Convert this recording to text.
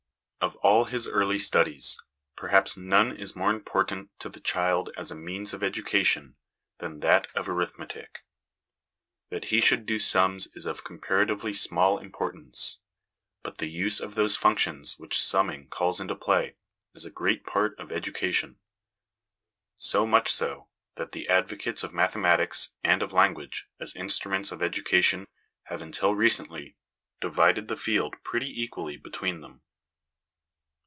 Of all his early studies, perhaps none is more important to the child 1 See Appendix A. 254 HOME EDUCATION as a means of education than that of arithmetic. That he should do sums is of comparatively small importance ; but the use of those functions which 'summing' calls into play is a great part of educa tion ; so much so, that the advocates of mathematics and of language as instruments of education have, until recently, divided the field pretty equally between them.